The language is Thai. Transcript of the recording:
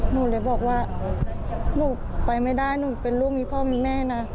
หนูเลยบอกว่าหนูไปไม่ได้หนูเป็นลูกมีพ่อมีแม่นะ